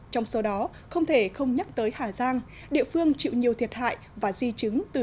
trong số đó không thể không nhắc tới hà giang địa phương chịu nhiều thiệt hại và di chứng từ